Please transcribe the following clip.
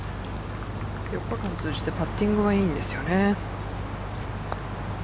４日間を通じてパッティングはいいんですよね。